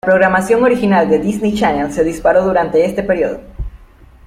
La programación original de Disney Channel se disparó durante este periodo.